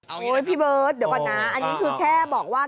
เอางี้พี่เบิร์ตเดี๋ยวก่อนนะอันนี้คือแค่บอกว่า